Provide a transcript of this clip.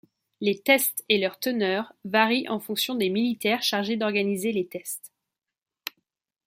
Les tests et leur teneur varient en fonction des militaires chargés d'organiser les tests.